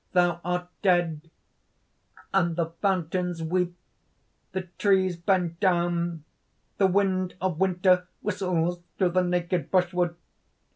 "Thou art dead; and the fountains weep, the trees bend down. The wind of winter whistles through the naked brushwood.